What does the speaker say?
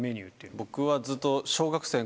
僕はずっと。